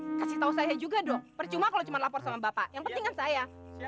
ya kasih tau saya juga dong percuma kalau cuma lapor sama bapak yang pentingan saya